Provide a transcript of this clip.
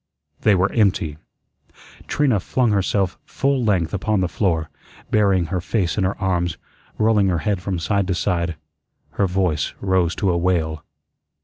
They were empty. Trina flung herself full length upon the floor, burying her face in her arms, rolling her head from side to side. Her voice rose to a wail.